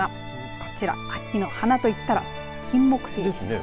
こちら、秋の花といったらキンモクセイです。